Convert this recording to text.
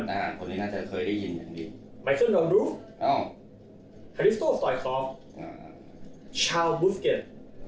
ไมเคิลลองรูฟฮาริสโกสตอยคอร์ฟชาวล์บุสเก็ต